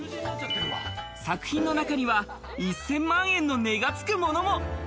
作品の中には１０００万円の値がつくものも。